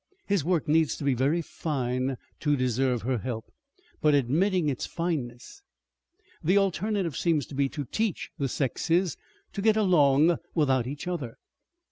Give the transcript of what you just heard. "His work needs to be very fine to deserve her help. But admitting its fineness?... "The alternative seems to be to teach the sexes to get along without each other."